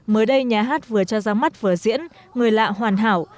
mới đây nhà hát vừa cho ra mắt vở diễn người lạ hoàn hảo